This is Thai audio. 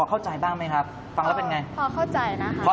พอเข้าใจบ้างไหมครับพอเข้าใจนะครับ